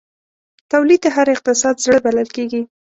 تولید د هر اقتصاد زړه بلل کېږي.